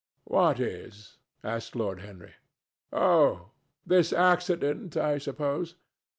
"What is?" asked Lord Henry. "Oh! this accident, I suppose.